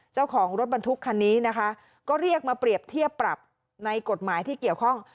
เจ้าของรถบรรทุกคันนี้นะคะก็เรียกมาเปรียบเทียบปรับในกฎหมายที่เกี่ยวข้อง